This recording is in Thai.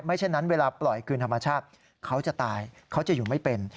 เช่นนั้นเวลาปล่อยคืนธรรมชาติเขาจะตายเขาจะอยู่ไม่เป็น